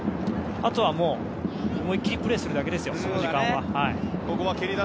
あとはもう、思いっきりプレーするだけです。